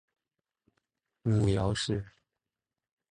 母姚氏。